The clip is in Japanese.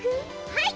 はい！